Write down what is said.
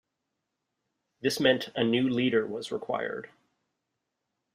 This meant a new leader was required.